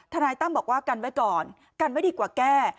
นายตั้มบอกว่ากันไว้ก่อนกันไม่ดีกว่าแก้